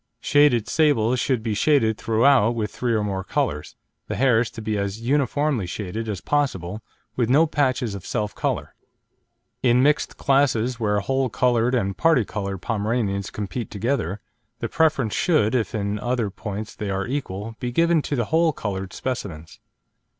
Shaded sables should be shaded throughout with three or more colours, the hairs to be as "uniformly shaded" as possible, with no patches of self colour. In mixed classes where whole coloured and parti coloured Pomeranians compete together, the preference should, if in other points they are equal, be given to the whole coloured specimens.